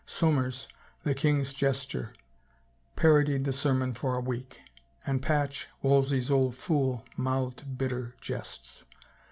Somers, the king's jester, parodied the sermon for a week, and Patch, Wolsey's old fool, mouthed bitter jests.